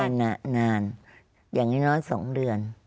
ตัดสินใจมานานอย่างนี้น้อย๒เดือน